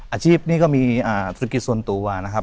อาชีพนี้ก็มีธุรกิจส่วนตัวนะครับ